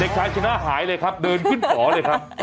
ชายชนะหายเลยครับเดินขึ้นหอเลยครับ